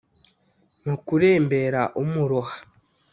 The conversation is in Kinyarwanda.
mu kurembera umuroha